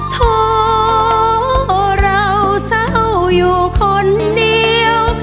ท่อเราเจ้าอยู่คนเดียว